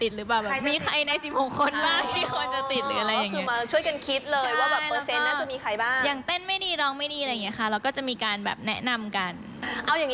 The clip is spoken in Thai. ชื่อไรคะคุณนาย